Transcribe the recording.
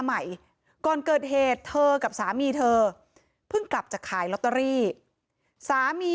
ใหม่ก่อนเกิดเหตุเธอกับสามีเธอเพิ่งกลับจากขายลอตเตอรี่สามี